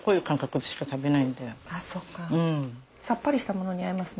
さっぱりしたものに合いますね。